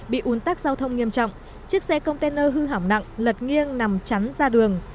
bị ủn tắc giao thông nghiêm trọng chiếc xe container hư hỏng nặng lật nghiêng nằm chắn ra đường